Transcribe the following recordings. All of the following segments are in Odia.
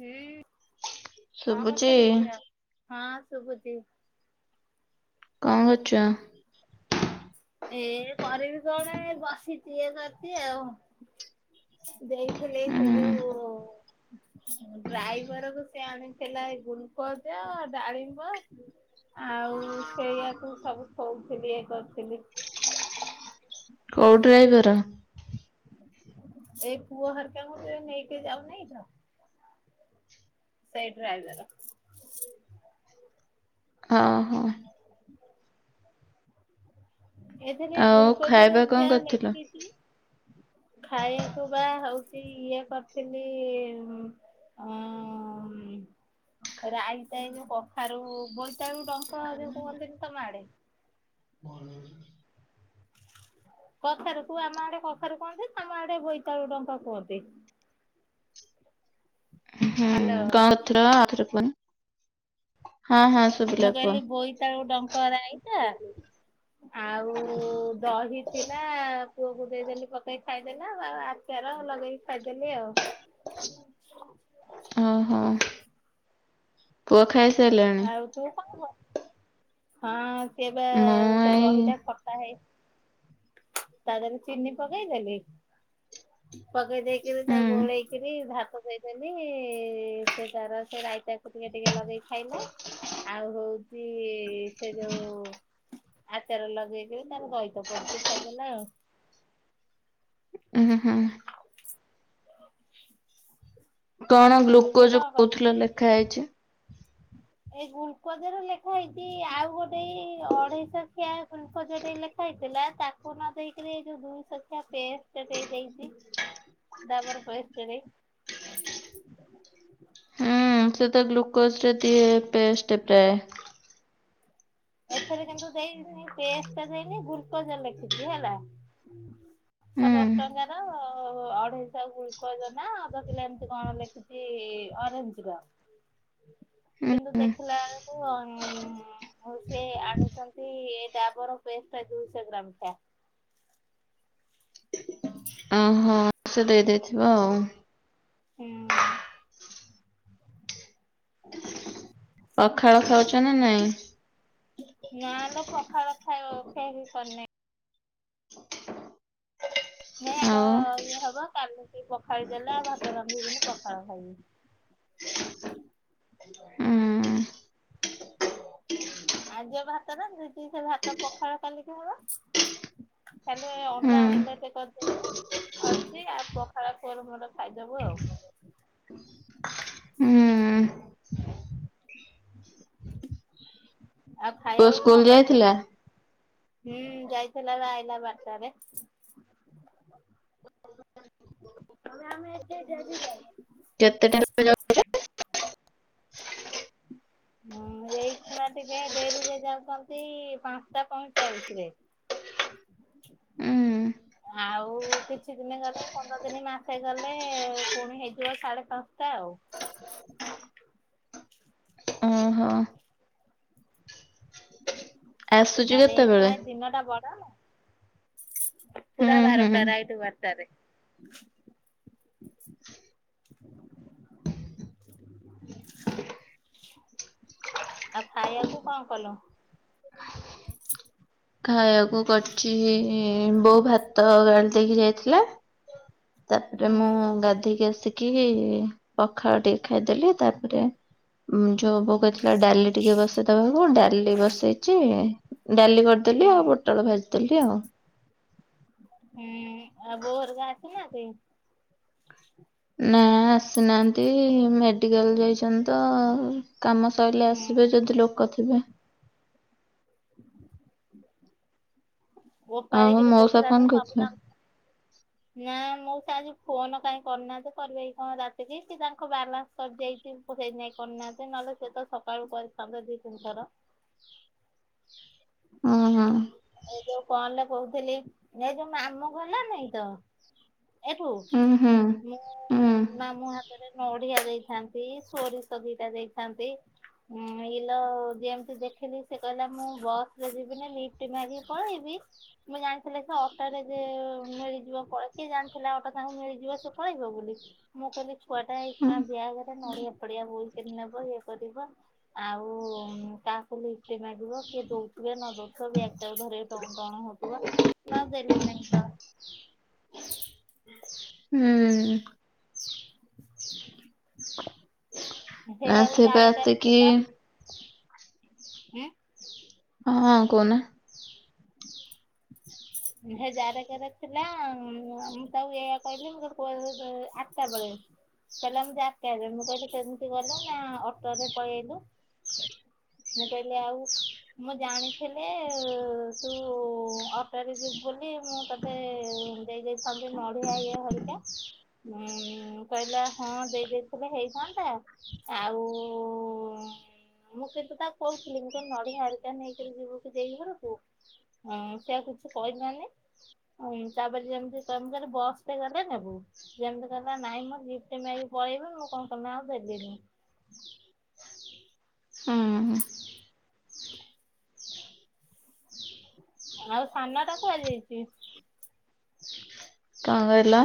ହୁଁ। ହଁ ଶୁଭୁଛି ବସ ଲୋ ଝିଅ। ହଁ ଶୁଭୁଛି। କଣ କରୁଛ? ଏ କରିବି କଣ ଏ ବସିଛି। ଇଏ କରି ଆଉ ଦେଇଥିଲି ସେ ଯୋଉ ଉଁ ଡ୍ରାଇଭର କୁ ସେ ଆଣିଥିଲା ଏଇ ଗୁଲକୋଜ, ଡାଳିମ୍ବ ଆଉ ସେଇୟାକୁ ସବୁ ଥୋଉଥିଲି ଇଏକରିଥିଲି। କୋଉ ଡ୍ରାଇଭର? ସେଇ ପୁଅ ହେରିକା ଙ୍କୁ ତ ନେଇେକି ଯାଉନି ତ। ସେଇ ଡ୍ରାଇଭର। ହଁ ହଁ। ଏଥିରେ ଆଉ ଗୁଲକୋଜ ଖାଇବା କଣ ଝିଆ କରିଥିଲ? ନେଇି ଖାଇବାକୁ ବା ହଉଛି। ସେ ଇଏ କରିଥିଲି। ଅ ରାଇତା ଏଇଯୋଉ କଖାରୁ ବହୁତ ତେଉ ଡଙ୍କ ଆଦି କୁହନ୍ତି ତମ ଆଡ଼େ। ମ [inaudible] କଖାରୁ କୁ ଆମ ଆଡେ କଖାରୁ କୁହନ୍ତି। ତମ ଆଡେ ବୋଇତାଳୁ ଡଙ୍କ କୁହନ୍ତି। ହୁଁ ହାଲୋ ଗଁଥର ଆଥର କୁହନି। ହଁ ହଁ ଶୁଭିଲା ମୁଁ କୁହ କହିଲି ବୋଇତାଳୁ ଡଙ୍କ ରାଇତା। ଆଉ ଦହି ଥିଲା। ପୁଅକୁ ଦେଇଦେଲି ପକେଇ ଖାଇଦେଲା ଆଉ ଆଚାର ଲଗେଇକି ଖାଇଦେଲି ଆଉ। ଓହୋ [inaudible] ପୁଅ ଖାଇ ଆଉ ତୁ କଣ ହଁ। ସିଏ ପା ମୁଁ ସେ ଏଇ ଦହିଟା ଖଟା ହେଇ ତା ଦେହରେ ଚିନି ପକେଇଦେଲି। ପକେଇ ଦେଇେଇକରି ତାକୁ ହୁଁ ଗୋଳେଇକରି ଭାତ ପକେଇଦେଲି ସେ ତାର ସେ ରାଇତାକୁ ଟିକେ ଟିକେ ଲଗେଇକି ଖାଇଲା। ଆଉ ହଉଛି ସେ ଯୋଉ ଆଚାର ଲଗେଇକି ତାର ଦହି ତ ପଡିଛି ଖାଇଦେଲା ଆଉ। ହୁଁ ହୁଁ। ହ [inaudible] କଣ ଗ୍ଲୁକୋଜ କହୁଥିଲା ଲେଖା ହେଇଛି। ଏଇ ଗୁଲକୋଜ ର ଲେଖା ହେଇଛି ଆଉ ଗୋଟେ ଅଢେଇ ଶହଖିଆ ଗୁଲକୋଜ ଲେଖା ହେଇଥିଲା ତାକୁ ନ ଦେଇେଇକରି ଏଇ ଯୋଉ ଦୁଇ ଶହଖିଆ ପେଷ୍ଟ ଦେଇ ଦେଇଛି ଡାବର ପେଷ୍ଟ ଟେ। ଗସରେ ଦ ପେସେ ପ୍ରାୟ [inaudible] ଏଥିରେ କିନ୍ତୁ ଦେଇନି ପେଷ୍ଟ ଟ ଦେଇନି ଗୁଲକୋଜ ଲେଖିଛି ହେଲା ହୁଁ। ଶହେଦଶ ଟଙ୍କାର ଅଢେଇଶହ ଗୁଲକୋଜ ନା ଅଧ କିଲୋ ଏମତି କଣ ଲେଖିଛି ଅରେଞ୍ଜ ର। ହୁଁ କିନ୍ତୁ ହୁଁ ଦେଖିଲା ବେଳକୁ ମୁଁ ସେ ଆଣିଛନ୍ତି ଏ ଡାବର ପେଷ୍ଟ ଦୁଇଶହ ଗ୍ରାମ କିଆ। ଓହୋ ସେ ଦେଇ ଦେଇଥିବ ଆଉ। ହୁଁ। ପଖାଳ ଖାଉଛ ନା ନାଇଁ। ନାେଲେ ପଖାଳ ଖାଇବ କେ କରିନ। ନ ତ ଆଉ? ଇଏ ହବ କାଲି ଟିକେ ପଖାଡିଦେଲେ ଆଉ ଭାତ ରାନ୍ଧିବିନି ପ। ହଁ ଭ। ହୁଁ। ଆ ଯ ଭାତ ଟ ସେ ଭାତ ପଖାଳ କଲି କି ମୋର ଖାଲି ଅଣ୍ଡା ହୁଁ ଆମଲେଟ କରିଦେବି ଅଛି ଆଉ ପଖାଳ ମୋର ଖାଇଦବୁ ଆଉ। ହୁଁ ହ ଆଉ ପୁଅ ଖାଇବାକୁ ସ୍କୁଲ କଣ କରିଦୁ ଯାଇଥିଲା? ହୁଁ ଯାଇଥିଲାଇଲା ବାର୍ତାାରେ ଆମେ ଏ କେତେ ଟାଇମ ହଁ ଏଇ ଖୁଣା ଟିକେ ଡେରିରେ ଯାଉଛନ୍ତି ପାଞ୍ଚଟା ପଇଁଚାଳିଶ ରେ ଯାଉ ଉଁ ଆଉ କିଛି ଦିନ ଗଲେ ପନ୍ଦର ଦିନି ମାସେ ଗଲେ ପୁଣି ହେଇଯିବ ସାଢେ ପାଞ୍ଚଟା ଆଉ। ଓହୋ ଆସୁଛି ନହେଲେ କେତେବେଳେ? ଏଇପାଇ ଦିନ ଟା ବଡ ନା। ହୁଁ ପୁରା ହୁଁ। ବାରଟା ରାଇଟି ବାରଟା। ଟାରେ। ଆଉ ଖାଇଆକୁ କଣ କଲ? ଖାଇବାକୁ କରିଚି ବୋଉ ଭାତ ଗାଳି ଦେଇକି ଯାଇଥିଲା। ତାପରେ ହୁଁ ମୁଁ ଗାଧେଇକି ଆସିକି କି ପଖାଳ ଟିକେ ଖାଇଦେଲି। ତାପରେ ଯୋଉ ବୋଉ କହିଥିଲା ଡାଲି ଟିକେ ବସେଇଦବାକୁ ଡାଲି ବସେଇଚି ଡାଲି କରିଦେଲି ହୁଁ ଆଉ ପୋଟଳ ଭାଜି ଦେଲି ଆଉ। ହୁଁ ଆଉ ବୋଉ ହେରିକା ଆସିନାହାଁନ୍ତି? ନା ଆସିନାହାଁନ୍ତି ମେଡିକାଲ ଯାଇ ପର୍ଯ୍ୟନ୍ତ କାମ ସରିଲେ ହୁଁ ଆସିବେ ଯଦି ଲୋକ ଥିବେ। ଗୋପାଳି କିନ୍ତୁ କହୁଥିଲା ତ ସବୁ କାମ ନା ମଉସା ଆଜି ଫୋନ କାହିଁ କରିନାହାଁନ୍ତି କରିବେ କି କଣ ରାତିକି। କି ତାଙ୍କ ବାଲାନ୍ସ ସରିଯାଇଛି ସେଇଥି ନାଇଁ କରିନନାହାଁନ୍ତି ନହେଲେ ସେ ତ ସକାଳୁ କରିଥାନ୍ତେ ଦି ତିନିଥର। ହଁ ହଁ। ଏ ଯୋଉ କଲ କହୁଥିଲି ଏ ଯୋଉ ମାମ ଗଲା ନାଇଁ ତ ଏଠୁ ମୁଁ ନା ହା ରେ ନଡିିଆ ଦେଇଥାନ୍ତି, ସୋରିଷ ଦିଟା ଦେଇଥାନ୍ତି, ଉଁ ଇଲୋ ଯେମତି ଦେଖିଲି ସେ କହିଲା ମୁଁ ବସ ରେ ଯିବିନି ନି ଫ୍ଟ ମାଗିକି ପଳେଇବି ମୁଁ ଜାଣିଥିଲି ସେ ଅଟୋରେ ମିଳିଯିବ ପଳେଇ କିଏ ଜାଣିଥିଲା ଅଟୋ ତାଙ୍କୁ ମିଳିଯିବ ସେ ପଳେଇଯିବ ବୋଲି। ମୁଁ କହିଲି ଛୁଆଟା ଆଇଥିଲା ବ୍ୟାଗ୍ ରେ ନଡ଼ିଆ ନଡିଆ ବୋହିକିରି ନେବ ଇଏ କରିବ ଆଉ କାହାକୁ ଲିଫ୍ଟ ମାଗିବ କିଏ ଦଉଥିବେ ନ ଦଉଥିବ ବ୍ୟାଗ ଟାକୁ ଧରିକି ଟଣ ଟଣ ହଉଥିବ। ମୁଁ ଆଉ ଦେଲି ନାହିଁ ତ ହୁଁ। ହେ ନା ଆଉ ସେ ଏବେ ଯାରେ କାରେ ଆସିକିି ଥିଲା ଉଁ ହଁ କହୁନା। ହେ ଜାରକାରେ ଥିଲା ମୁଁ ତାକୁ ଏଇଆ କହିଲି ମୁଁ କହିଲି କୁଆଡ଼େ ଯାଉଛୁ ଆଠଟା ବେଳେ କହିଲା ମୁଁ ଜାରକାରେ। ମୁଁ କହିଲି କେମିତି ଗଲ? ନା ଅଟୋରେ ପଳେଇଆଇଲୁ ମୁଁ କହିଲି ଆଉ ମୁଁ ଜାଣିଥିଲେ ତୁ ଅଟୋରେ ଯିବୁ ବୋଲି ମୁଁ ତୋତେ ଦେଇ ଦେଇଥାନ୍ତି ନଡ଼ିଆ ଇଏ ହେରିକା। ଉଁ କହିଲା ହଁ ଦେଇ ଦେଇଥିଲେ ହେଇଥାନ୍ତା ଆଉ ମୁଁ କିନ୍ତୁ ତାକୁ କହୁଥିଲି ମୁଁ ନଡ଼ିଆ ହେରିକା ନେଇକରି ଯିବୁ କି ଦେଇ ଘରକୁୁ? ସିଏ ଆଉ କିଛି କହିଲାନି। ତାପରେ ଯେମତି ତମ ମୁଁ କହିଲି ବସରେ ଗଲେ ନେବୁ। ଯେମିତି କହିଲା ନାଇଁ ମ ଲିଫ୍ଟ ମାଗି ପଳେଇବି ମୁଁ କଣ କଲି ନା ଆଉ ଦେଲିିନି। ହୁଁ ଆଉ ସାନ ଟା କୁଆଡ଼େ ଯାଇଛି? ଅ ହେଲା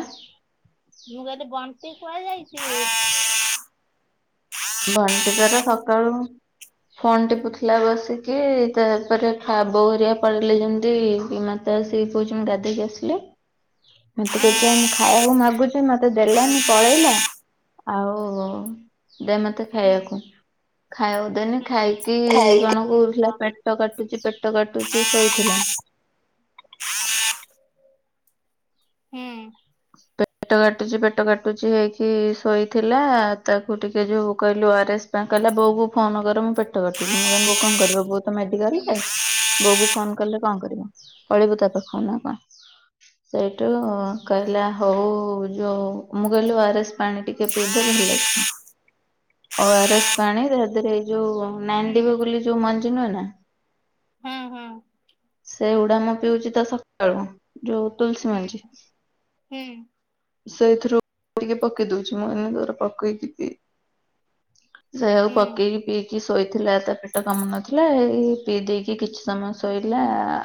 ମୁଁ କହିଲି ବଣ୍ଟି କୁଆଡ଼େ ଯାଇଚି? ବଣ୍ଟି ତାର ସକାଳୁ ଫୋନ୍ ଟିପୁଥିଲା ବସିକି। ତାପରେ ଖା ବୋଉ ହେରିକା ପଳେଇଲେ ଯେମତି ମତେ ଆସିକି କହୁଚି ମୁଁ ଗାଧେଇକି ଆସିଲି। ମତେ କହୁଚି ଆଉ ମୁଁ ଖାଇବାକୁ ମାଗୁଚି ମତେ ଦେଲାନି ପଳେଇଲା। ଆଉ ଦେମ। ତେ ଖାଇ ହୁଁ ରଖ ଖାଇାଉ ଦେନି ହୁଁ ଖାଇକି କଣ କହୁଥିଲା ପେଟ କାଟ। କଟୁଚ ପେଟ କାଟୁଚ ଶୋଇଥିଲା। ହୁଁ। ପେଟ କାଟୁଛି ପେଟ କାଟୁଛି ହେଇକି ଶୋଇଥିଲା ତାକୁ ଟିକେ ଯୋଉ କହିଲୁରଏସ୍ ପାଇଁ କହିଲା ବୋଉ କ ଫୋନ କରେ ମୁଁ। କୁଛି ମୁଁ କାି ବୋଉ କଣ କରିବ ବୋଉ ତ ହୁଁ ମେଡିକାଲରେ ବୋଉ କ ଫୋନ କଲେ କଣ କରିବ। ପଳିବୁ ତା ପାଖକୁ ନା କଣ ସେଇଠୁ। କହିଲା ହଉ ଯୋଉ ମୁଗଲ ଆାର। ପାଣି ଟିକେ ପିଇଦେ ଭଲ ଲାଗିବ ଓ ଆର ଏସ୍ ପାଣି ତା ଦେହରେଇ। ରଉ ହୁଁ। ନାିବ ବୋଲି ଯୋଉ ମ। ନୁହେ ନା। ହୁଁ ହୁଁ। ସେ ଉୁଡାାମ ପିଉଛି ତ ସକାଳୁ। ଯଉ ତୁଲସୀ ମଛି। ହଁ। ସେଇଥିରୁ ଟିକେ ପକେଇ ଦଉଛି ମୁଁ ଅନ୍ୟ ତର ପକେଇକି ସେଇଆକୁ ହୁଁ ପକେଇକି ପିଇକି। ଶୋଇଥିଲା ତା ପେଟ କାମୁନଥିଲା ଏଇ ପିଇ ଦେଇକି କିଛି ସମୟ ଶୋଇଲା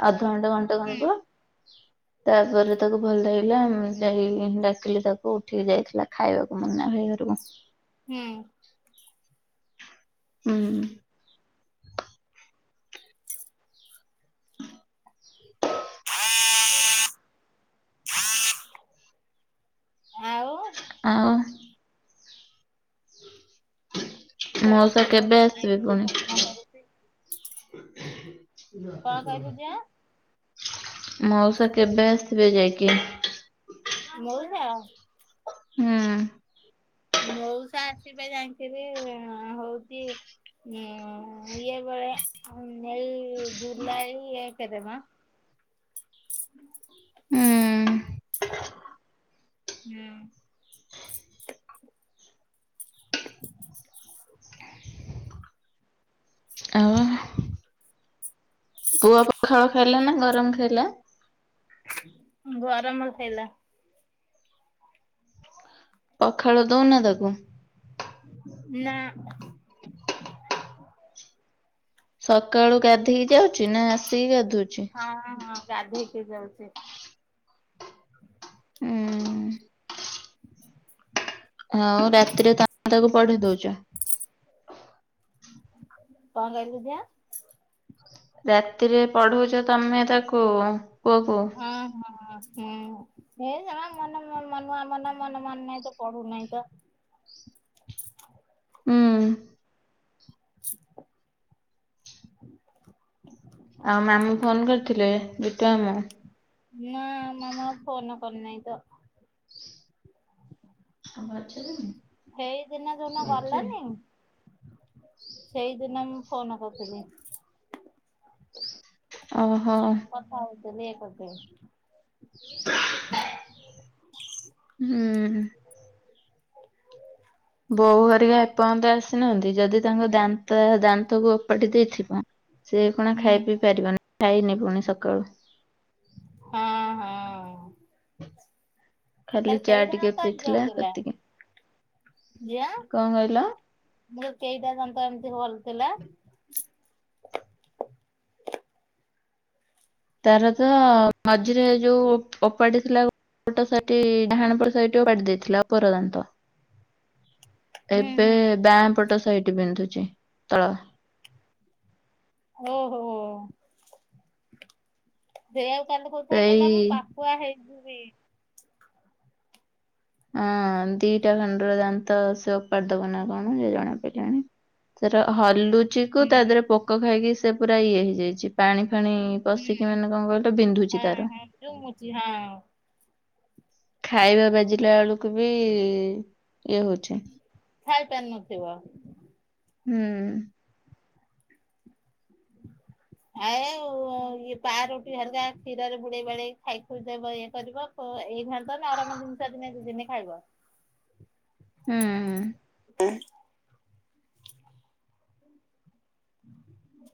ଆ। ଘଣ୍ଟ ଘଣ୍ଟ ହୁଁ ଘଣ୍ଟ। ତାପରେ ତାକୁ ଭଲ ଲାଗିବ। ଯାଇ ଡାକିଲି ତାକୁ ଉଠିକି ଯାଇଥିଲା ଖାଇବାକୁ ମୁନା ଭାଇ ଘରକୁ। ହୁଁ ହୁଁ। ଆଉ ଆଉ ହୁଁ। ତା ର ସାନଙ୍କୁ କାହିଁକି ପୁଣି ପ୍ରଶ୍ନ କରୁଛି? କଣ ଆତ୍ପର କହିଲୁ ଝିଅ ଭାତୁ [inaudible] ମାଉସ କେବେ ଆସିବେ ଯାଇକି? ମଉସା ହୁଁ। ମଉସା ଆସିବେ ଯାଇକରି ହଉଛି ଉଁ ଇଏ ବେଳେ ଏଇ ଜୁଲାଇ କେବେ ମ ହୁଁ। [unintelligible] ହୁଁ। ଆଉ ପୁଅ ପଖାଳ ଖାଇଲା ନା। ଗରମ ଖାଇଲା। [unintelligible] ଆମର ଖାଇଲା ହ। ପଖାଳ ଦଉନ ତାକୁୁ। ନା ସକାଳୁ ଗାଧେଇକି ଯାଉଛି ନା ଆସିକି ଗାଧଉଛି? ହଁ ହଁ। ଗାଧେଇକି ଯାଉଛି। ହୁଁ। ହଁ ରାତିରେ ତା ତାକୁ ପଢ଼େଇ ଦଉଛ। କଣ କହିଲୁ ଝିଅ? ରାତିରେ ପଢଉଛ ତମେ ତାକୁ? ପୁଅକୁ। ହୁଁ ହୁଁ ହୁଁ। ହୁଁ। ହେ ମନ ମନ ମନୁଆ ମନ ମନ ନାହିଁ ତ ପଢୁ ନହିଁ ତ ହୁଁ। [unintelligible] ଆଉ ମାମୁଁ ଫୋନ କରିଥିଲେ ଜିତୁ ମାମୁଁ। ନା ମାମୁଁ ଆଉ ଫୋନ କରି ନାହିଁ ତ। ଆଉ ମାଛ ଦେବି? ହେଇଦିନ ଯୋଉଦିନ ଗଲାନି? ସେଇଦିନ ମ ଫୋନ କରିଥିଲି। ଅ ହୋ। [unintelligible] ହୁଁ। ବୋଉ ହେରିକା ଏପନ୍ତ ଆସିନାହାନ୍ତି ଯଦି ତାଙ୍କ ଦାନ୍ତ ଦାନ୍ତକୁ ଓପାଟି ଦେଇଥିବା ସେ କଣ ହୁଁ ଖାଇ ପିଇ ପାରିବନି। ଯାଇନି ପୁଣି ସକାଳୁ। ହୁଁ ହୁଁ। ଖାଲି ଚା ଟିକେ ପିଇଥିଲା ସେତିକି। କଣ କହିଲ ଯଆ କେଇଟା [inaudible] ଏମିତି ହଲ ଥିଲା। ତାର ତ ମଝିରେ ଯୋଉ ଓପାଡ଼ି ଥିଲା [unintelligible] ପଟ ସାଇଟ୍ ଡାହାଣ ପଟ ସାଇଡ୍‌ ଓପାଡି ଦେଇଥିଲା ଓପର ଦାନ୍ତ। ହୁଁ ଏବେ ହୁଁ ବାପଟ ସାଇଟ୍ ବିନ୍ଧୁଚି ତଳ। ଓହୋ ହୋ। ସେୟା କାଲୁ କହୁଥାଏ ସେଇ କାଲି ଆମେ ପାକୁଆ ହେଇଯିବୁ। [unintelligible] ହଁ ଦିଟା ଖଣ୍ଡର ଦାନ୍ତ ସେ ଉପାଡ଼ିଦବ ନା କଣ ଯା ଜଣା ପାଇଲାଣି ସେର ହଲୁ ଚି ତା ହୁଁ ଦେହରେ ପୋକ ଖାଇକି ସେ ପୁରା ଇଏ ହେଇଯାଇଚି ପାଣି ପାଣି ହୁଁ ପଷିକି ମାନେ କଣ କହିଲ ବିନ୍ଧୁଚି ହଁ ତାର। ହଁ ଯୋଉ ମୁଚି ହଁ ଖାଇବା ବାଜିଲା ଆଳୁକୁ ବି ଇଏ ହୋଉଛି। ଖାଇ ପାରୁନଥିବ? ହୁଁ। ଆଇ ଇଏ ପାରୁଟି ହେରିକା କ୍ଷୀରରେ ବୁଡେଇ ବାଡେଇକି ଖାଇ ଖୁଇଦେବ ଇଏ କରିବ ଖୋ ଏଇ ଘ ତମେ [unintelligible] ତିନି ଚାରିଦିନେ ଦିନେ ଖାଇବ। ହୁଁ ହୁଁ ହୁଁ [inaudible]